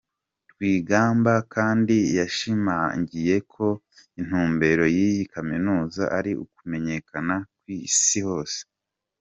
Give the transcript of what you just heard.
Rwigamba kandi yashimangiye ko intumbero y’iyi kaminuza ari ukumenyekana ku isi hose.